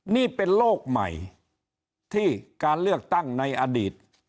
นี่เป็นโลกใหม่ที่การเลือกตั้งในอดีต